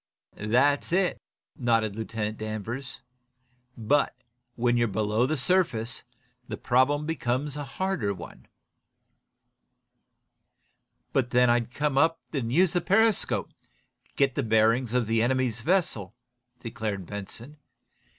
"That's it," nodded Lieutenant Danvers. "But, when you're below the surface, the problem becomes a harder one." "But then I'd come up enough to use the periscope, and get the bearings of the enemy's vessel," declared Benson.